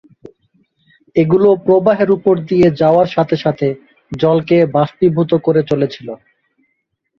এগুলি প্রবাহের উপর দিয়ে যাওয়ার সাথে সাথে জলকে বাষ্পীভূত করে চলেছিল।